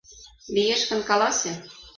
— Лиеш гын, каласе.